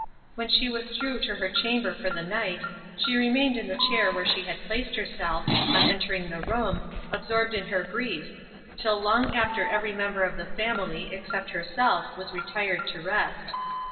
When she withdrew to her chamber for the night, she remained in the chair where she had placed herself, on entering the room, absorbed in her grief, till long after every member of the family, except herself, was retired to rest.